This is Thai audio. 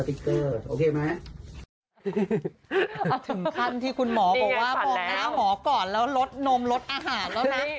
ถึงขั้นที่คุณหมอบอกว่ามองหน้าหมอก่อนแล้วลดนมลดอาหารแล้วนะ